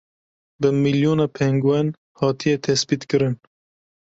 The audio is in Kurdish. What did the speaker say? Bi milyona pengûen hatiye tespîtkirin.